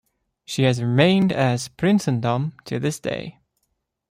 She has remained as "Prinsendam" to this day.